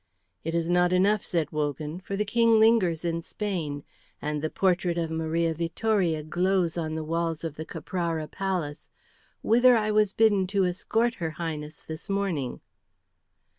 "It is not enough," said Wogan, "for the King lingers in Spain, and the portrait of Maria Vittoria glows on the walls of the Caprara Palace, whither I was bidden to escort her Highness this morning."